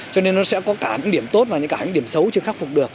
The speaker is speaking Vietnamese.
cho nên nó sẽ có cả những điểm tốt và cả những điểm xấu chưa khắc phục được